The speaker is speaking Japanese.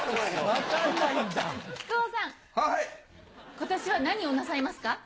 今年は何をなさいますか？